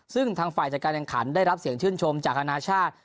ซึ่งทางฝ่ายจัดการแข่งขันได้รับเสียงชื่นชมจากอนาชาติ